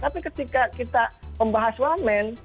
tapi ketika kita membahas wah main